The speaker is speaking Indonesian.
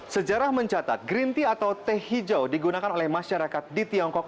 sejarah mencatat green tea atau teh hijau digunakan oleh masyarakat di tiongkok